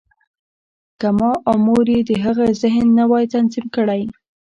که ما او مور یې د هغه ذهن نه وای تنظیم کړی